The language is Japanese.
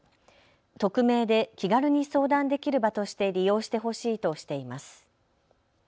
匿名で気軽に相談できる場として利用してほしいとしています。